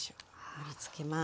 盛りつけます。